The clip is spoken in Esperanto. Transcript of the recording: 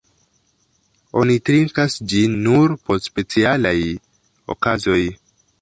Oni trinkas ĝin nur por specialaj okazoj.